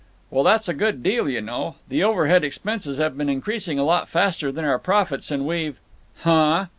"Well, that's a good deal, you know. The overhead expenses have been increasing a lot faster than our profits, and we've—" "Huh!"